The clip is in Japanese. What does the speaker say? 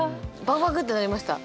バクバクってなりました。